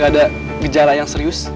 gak ada gejala yang serius